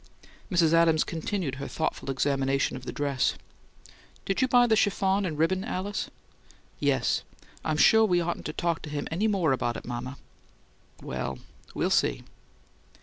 Mrs. Adams continued her thoughtful examination of the dress. "Did you buy the chiffon and ribbon, Alice?" "Yes. I'm sure we oughtn't to talk to him about it any more, mama." "Well, we'll see."